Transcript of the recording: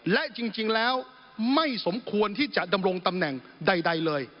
และจริงแล้วไม่สมควรที่จะดำรงตำแหน่งใดเลย